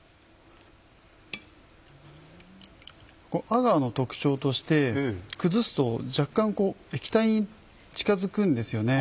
アガーの特徴として崩すと若干液体に近づくんですよね。